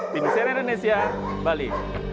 dini seri indonesia bali